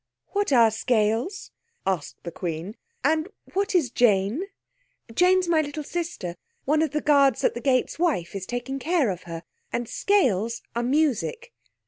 "What are scales?" asked the Queen, "and what is Jane?" "Jane is my little sister. One of the guards at the gate's wife is taking care of her. And scales are music."